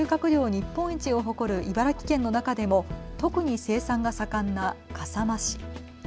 日本一を誇る茨城県の中でも特に生産が盛んな笠間市。